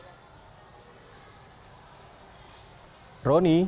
selamat pagi fani dan iqbal